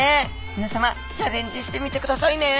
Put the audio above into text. みなさまチャレンジしてみてくださいね！